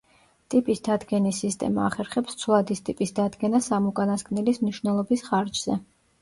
ტიპის დადგენის სისტემა ახერხებს ცვლადის ტიპის დადგენას ამ უკანასკნელის მნიშვნელობის ხარჯზე.